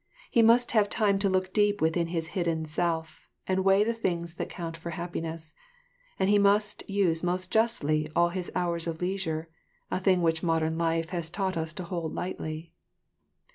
He must have time to look deep within his hidden self and weigh the things that count for happiness; and he must use most justly all his hours of leisure, a thing which modern life has taught us to hold lightly.